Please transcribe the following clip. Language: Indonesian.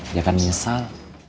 dia akan nyesal